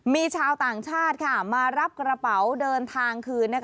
มีชาวต่างชาติมารับกระเป๋าเดินทางคืน